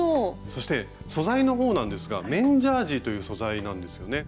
そして素材の方なんですが綿ジャージーという素材なんですよね？